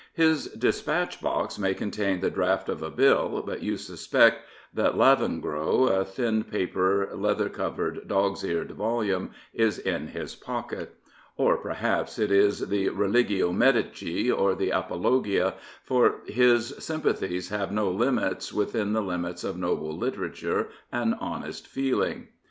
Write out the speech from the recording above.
His dispatch box may contain the draft of a Bill, but you suspect that Lavengro, a thin papcr, leather covered, dog's eared volume, is in his pocket. Or perhaps it is the Religio Medici or the Apologia, for his sympathies have no limits within the limits of noble literature and honest feeling.